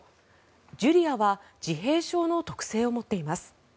ジュリアは自閉症の特性を持っています。